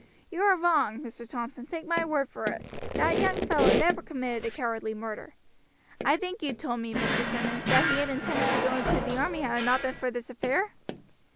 You are wrong, Mr. Thompson, take my word for it. That young fellow never committed a cowardly murder. I think you told me, Mr. Simmonds, that he had intended to go into the army had it not been for this affair?